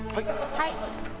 はい。